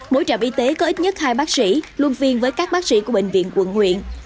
mỗi trạm y tế có ít nhất hai bác sĩ luôn phiên với các bác sĩ của bệnh viện quận huyện